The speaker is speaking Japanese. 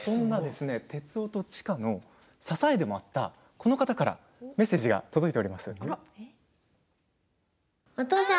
徹生と千佳の支えでもあったこの方からメッセージが届いております。